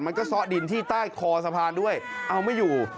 ซ้อดินที่ใต้คอสะพานด้วยเอาไม่อยู่